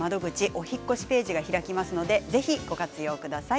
お引っ越しページが開きますのでぜひ、ご活用ください。